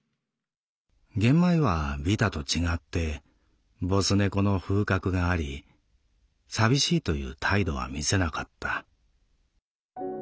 ゲンマイはビタと違ってボス猫の風格があり寂しいという態度は見せなかった」。